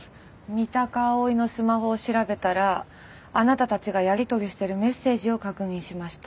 三鷹蒼のスマホを調べたらあなたたちがやり取りしてるメッセージを確認しました。